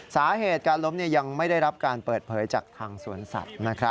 สาเหตุการล้มยังไม่ได้รับการเปิดเผยจากทางสวนสัตว์